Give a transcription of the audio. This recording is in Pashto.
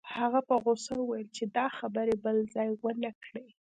هغه په غوسه وویل چې دا خبرې بل ځای ونه کړې